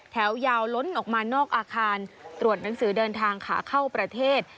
แถวยาวล้นออกมานอกอาคารตรวจหนังสือเดินทางขาเข้าประเทศ